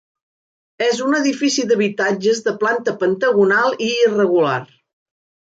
És un edifici d'habitatges de planta pentagonal irregular.